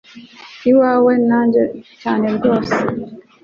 iwawe nanjye cyane rwose